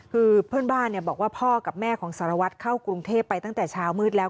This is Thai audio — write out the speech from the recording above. คือเพื่อนบ้านบอกว่าพ่อกับแม่ของสารวัตรเข้ากรุงเทพไปตั้งแต่เช้ามืดแล้ว